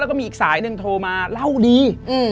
แล้วก็มีอีกสายหนึ่งโทรมาเล่าดี